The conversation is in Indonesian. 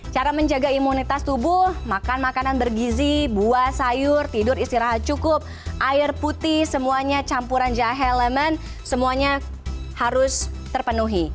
cara menjaga imunitas tubuh makan makanan bergizi buah sayur tidur istirahat cukup air putih semuanya campuran jahe lemon semuanya harus terpenuhi